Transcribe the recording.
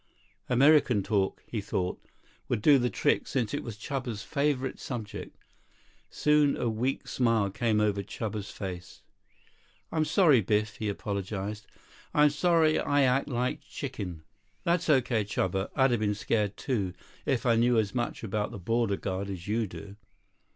"American talk," he thought, would do the trick since it was Chuba's favorite subject. Soon a weak smile came over Chuba's face. "I'm sorry, Biff," he apologized. "I'm sorry I act like chicken." "That's okay, Chuba. I'd have been scared, too, if I knew as much about the border guard as you do."